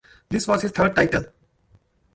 This was his third title.